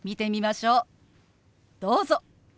どうぞ。